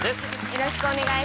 よろしくお願いします。